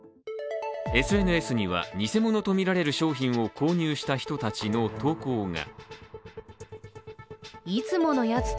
ＳＮＳには偽物とみられる商品を購入した人たちの投稿が。